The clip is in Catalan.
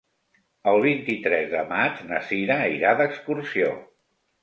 El vint-i-tres de maig na Sira irà d'excursió.